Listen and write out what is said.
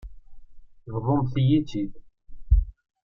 Bḍumt-iyi-tt-id.